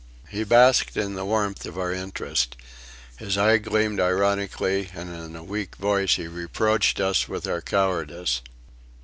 He basked in the warmth of our interest. His eye gleamed ironically, and in a weak voice he reproached us with our cowardice.